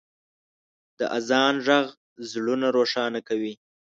د اذان ږغ زړونه روښانه کوي.